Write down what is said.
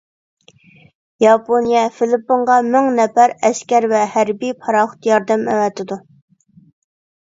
ياپونىيە فىلىپپىنغا مىڭ نەپەر ئەسكەر ۋە ھەربىي پاراخوت ياردەم ئەۋەتىدۇ.